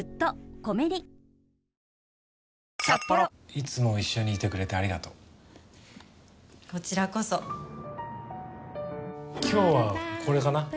いつも一緒にいてくれてありがとうこちらこそ今日はこれかな